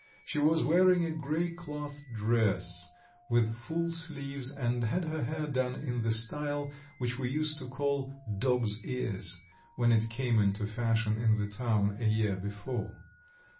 She was wearing a grey cloth dress with full sleeves, and had her hair done in the style which we used to call "dogs' ears," when it came into fashion in the town a year before.